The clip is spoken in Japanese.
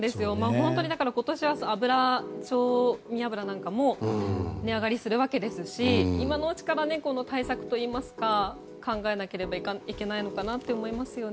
本当に、だから今年は調味油なんかも値上がりするわけですし今のうちから対策といいますか考えなければいけないのかなと思いますね。